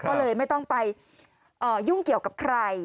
ก็เลยไม่ต้องไปยุ่งเกี่ยวกับใคร